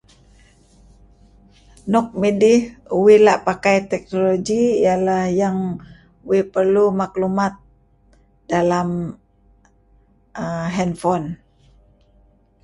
Nuk midih uih la' pakai teknologi iah yang uih perlu maklumat dalam handphone.